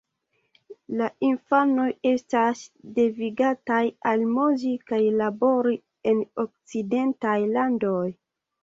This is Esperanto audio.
La infanoj estas devigataj almozi kaj labori en okcidentaj landoj.